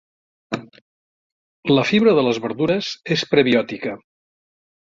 La fibra de les verdures és prebiòtica.